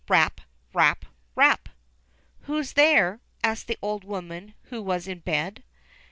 Rap ! Rap ! Rap ! "Who's there ?" asked the old woman, who was in bed.